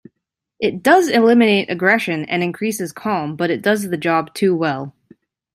It does eliminate aggression, and increases calm, but it does the job too well.